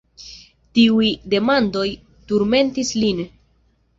Tiuj demandoj turmentis lin.